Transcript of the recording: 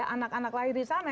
anak anak lahir di sana